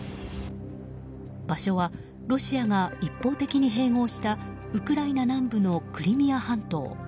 場所はロシアが一方的に併合したウクライナ南部のクリミア半島。